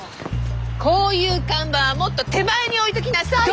こういう看板はもっと手前に置いときなさいよ！